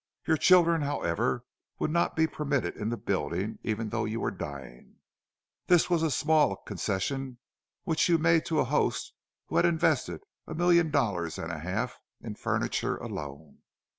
Your children, however, would not be permitted in the building, even though you were dying—this was a small concession which you made to a host who had invested a million dollars and a half in furniture alone.